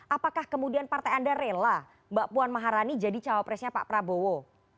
apakah kemudian partai anda rela mbak puan maharani jadi cawapresnya pak prabowo